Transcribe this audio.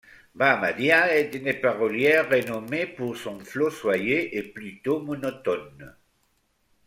Bahamadia est une parolière renommée pour son flot soyeux et plutôt monotone.